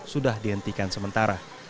sudah dihentikan sementara